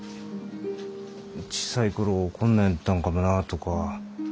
小さい頃こんなんやったんかもなあとか